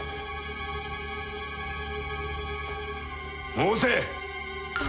申せ！